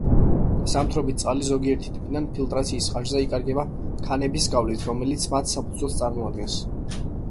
ზამთრობით წყალი ზოგიერთი ტბიდან ფილტრაციის ხარჯზე იკარგება ქანების გავლით, რომელიც მათ საფუძველს წარმოადგენს.